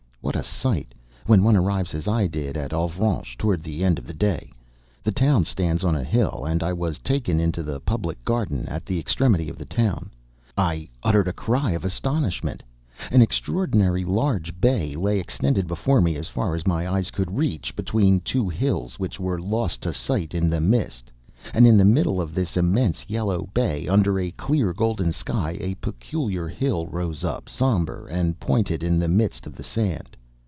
What a sight, when one arrives as I did, at Avranches toward the end of the day! The town stands on a hill, and I was taken into the public garden at the extremity of the town. I uttered a cry of astonishment. An extraordinary large bay lay extended before me, as far as my eyes could reach, between two hills which were lost to sight in the mist; and in the middle of this immense yellow bay, under a clear, golden sky, a peculiar hill rose up, sombre and pointed in the midst of the sand.